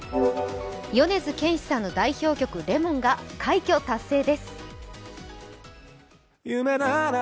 米津玄師さんの代表曲「Ｌｅｍｏｎ」が快挙達成です。